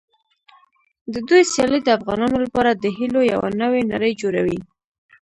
د دوی سیالۍ د افغانانو لپاره د هیلو یوه نوې نړۍ جوړوي.